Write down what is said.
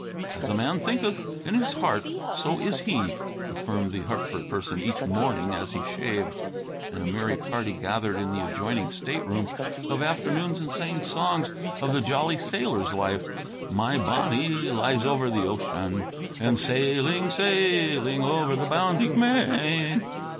"'As a man thinketh in his heart, so is he'," affirmed the Hartford person each morning as he shaved. And a merry party gathered in the adjoining stateroom of afternoons and sang songs of the jolly sailor's life: "My Bonnie Lies Over the Ocean," and "Sailing, Sailing Over the Bounding Main."